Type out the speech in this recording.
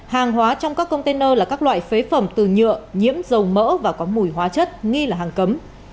hàng hóa trong các container là các loại phế phẩm từ nhựa nhiễm dầu mỡ và có mùi hóa chất nghi là hàng cấm